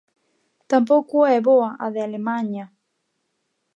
Tampouco é boa a de Alemaña.